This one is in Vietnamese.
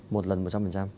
một lần một trăm phần trăm